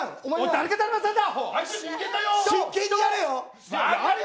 誰がだるまさんだ！